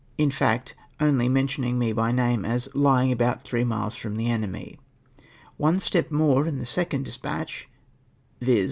S3 In fact, only mentioning me by name, as lying " about three miles from the enemy." One step more in the second despatch, viz.